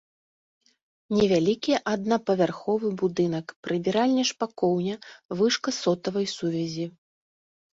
Невялікі аднапавярховы будынак, прыбіральня-шпакоўня, вышка сотавай сувязі.